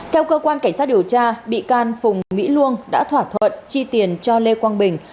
theo cơ quan cảnh sát điều tra bị can phùng mỹ luông đã thỏa thuận chi tiền cho lê quang bình